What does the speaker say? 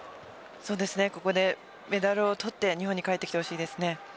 ここでメダルを取って日本に帰ってきてほしいです。